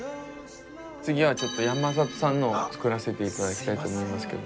次はちょっと山里さんのを作らせていただきたいと思いますけど。